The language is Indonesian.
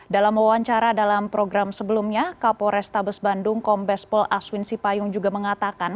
dalam wawancara dalam program sebelumnya kapolres tabes bandung kombes pol aswin sipayung juga mengatakan